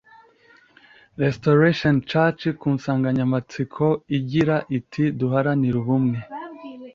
Restoration Church ku nsanganyamatsiko igira iti Duharanire ubumwe